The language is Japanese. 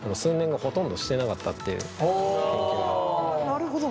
なるほど。